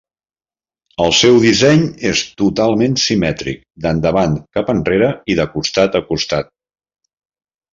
El seu disseny és totalment simètric d'endavant cap enrere i de costat a costat.